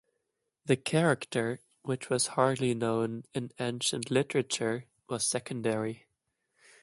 The character, which was hardly known in ancient literature, was secondary.